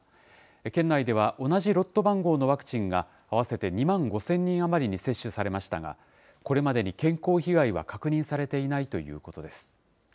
県内では同じロット番号のワクチンが合わせて２万５０００人余りに接種されましたが、これまでに健康被害は確認されていないということです。